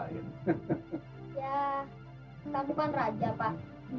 ya kita bukan raja pak